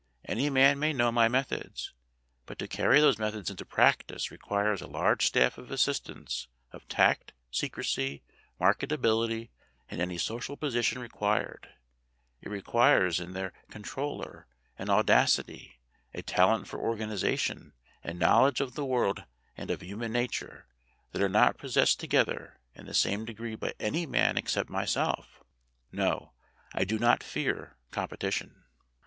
Any man may know my methods. But to carry those methods into practice requires a large staff of assistants of tact, secrecy, marked ability, and any social position required; it requires in their controller an audacity, a talent for organization, and knowledge of the world and of human nature, that are not possessed together and in the same degree by any man except myself. No, I do not fear competition.